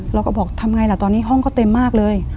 เราก็บอกทำไงล่ะตอนนี้ห้องก็เต็มมากเลย